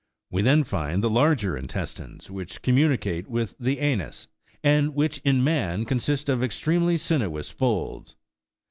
We then find the larger intestines, Avhich communicate with the anus, and which in man consist of extremely sinuous folds.